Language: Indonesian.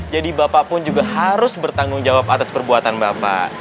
jadi bapak pun juga harus bertanggung jawab atas perbuatan bapak